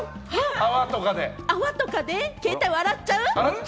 泡とかで、一回洗っちゃう？